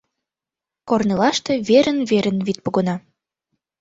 Корнылаште верын-верын вӱд погына.